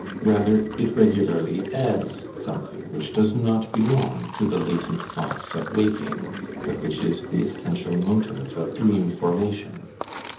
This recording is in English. Rather it regularly adds something which does not belong to the latent thoughts of waking, but which is the essential motive of dream formation.